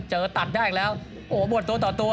เจอตัดได้อีกแล้วโอ้บวนตัวต่อตัว